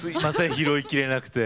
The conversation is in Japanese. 拾いきれなくて。